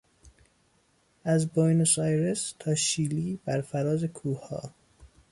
از بوینوس آیرس تا شیلی برفراز کوهها